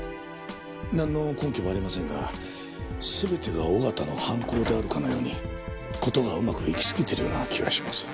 なんの根拠もありませんが全てが小形の犯行であるかのように事がうまくいきすぎてるような気がします。